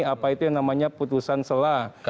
apa itu yang namanya putusan selah